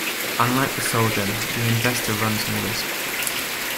Unlike the soldier, the investor runs no risk.